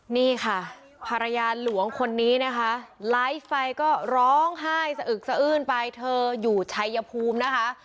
นี่ค่ะภรรยาหลวงคนนี้นะคะไลฟ์ไปก็ร้องไห้สะอึกสะอื้นไปเธออยู่ชัยภูมินะคะ